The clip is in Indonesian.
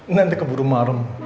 nanti keburu malam